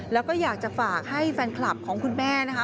แล้วก็อยากจะฝากให้แฟนคลับของคุณแม่นะคะ